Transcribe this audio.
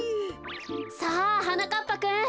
さあはなかっぱくん。